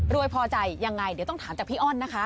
พอใจยังไงเดี๋ยวต้องถามจากพี่อ้อนนะคะ